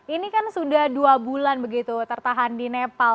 ini kan sudah dua bulan begitu tertahan di nepal